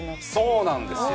そうなんですよ。